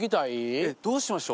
えっどうしましょう。